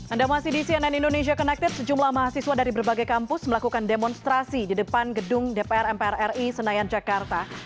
anda masih di cnn indonesia connected sejumlah mahasiswa dari berbagai kampus melakukan demonstrasi di depan gedung dpr mpr ri senayan jakarta